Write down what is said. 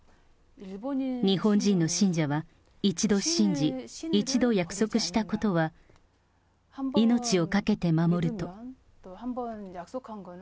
日本人の信者は、一度信じ、一度約束したことは命を懸けて守ると。